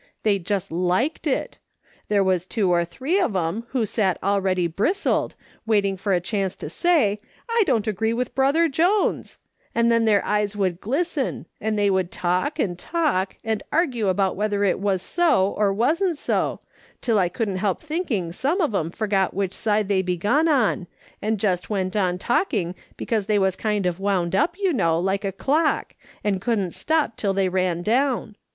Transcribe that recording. They just liked it. There was two or three of 'em who sat all ready Lristled, waiting for a chance to say, ' I don't agree with Brother Jones,' and then their eyes would glisten, and they would talk, and talk, and argue about whether it was so or wasn't so, till 1 couldn't help thinking some of 'em forgot which side they begun on, and jest went on talking because they was kind of wound up, you know, like a clock, and couldn't stop till they ran down.